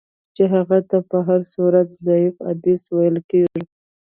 چي هغه ته په هر صورت ضعیف حدیث ویل کیږي.